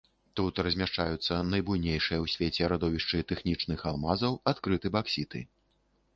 Тут размяшчаюцца найбуйнейшыя ў свеце радовішчы тэхнічных алмазаў, адкрыты баксіты.